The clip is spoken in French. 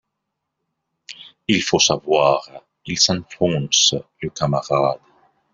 Il faut savoir, Il s’enfonce, le camarade